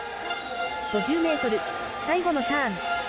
５０ｍ最後のターン。